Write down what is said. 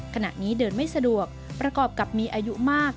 ขณะนี้เดินไม่สะดวกประกอบกับมีอายุมาก